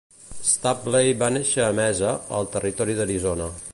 Stapley va néixer a Mesa, al territori d'Arizona.